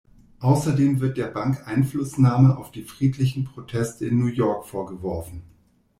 Außerdem wird der Bank Einflussnahme auf die friedlichen Proteste in New York vorgeworfen.